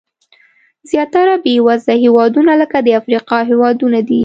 زیاتره بېوزله هېوادونه لکه د افریقا هېوادونه دي.